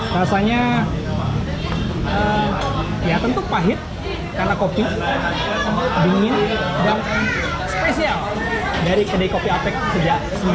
rasanya ya tentu pahit karena kopi dingin dan spesial dari kedai kopi apec sejak seribu sembilan ratus sembilan puluh